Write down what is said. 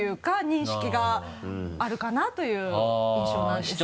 認識があるかなという印象なんです。